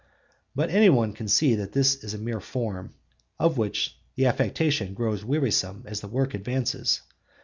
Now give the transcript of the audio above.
But any one can see that this is a mere form, of which the affectation grows wearisome as the work advances.